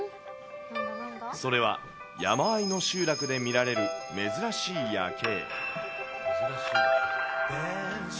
それは山間の集落で見られる珍しい夜景。